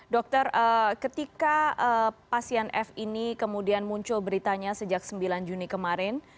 dokter ketika pasien f ini kemudian muncul beritanya sejak sembilan juni kemarin